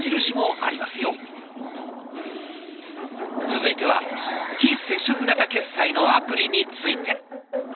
続いては「非接触型決済」のアプリについて。